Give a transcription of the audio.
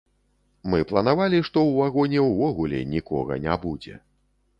Мы планавалі, што ў вагоне увогуле нікога не будзе.